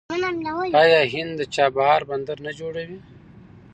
آیا هند د چابهار بندر نه جوړوي؟